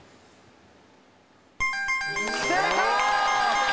正解！